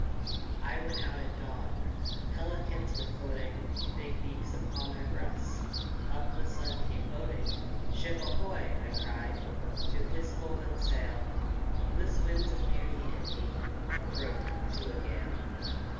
I went out at dawn, Pelicans were floating, Big beaks on their breasts; Up the sun came boating. "Ship ahoy!" I cried, To his golden sail. Bliss winds of beauty in me Broke to a gale!